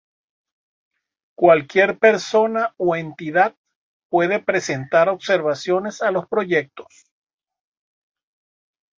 Cualquier persona o entidad puede presentar observaciones a los proyectos.